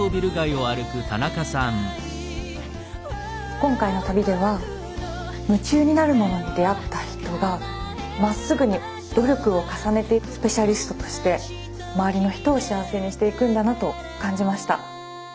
今回の旅では夢中になるものに出会った人がまっすぐに努力を重ねていくスペシャリストとして周りの人を幸せにしていくんだなと感じました。